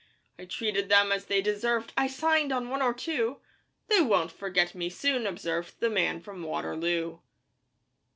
'I treated them as they deserved 'I signed on one or two! 'They won't forget me soon,' observed The Man from Waterloo.